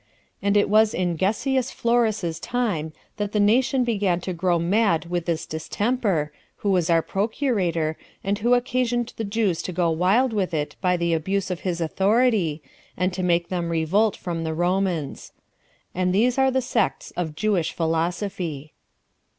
And it was in Gessius Florus's time that the nation began to grow mad with this distemper, who was our procurator, and who occasioned the Jews to go wild with it by the abuse of his authority, and to make them revolt from the Romans. And these are the sects of Jewish philosophy.